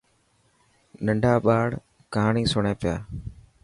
تڌا ٻاڙ ڪهاني سڻي پيا.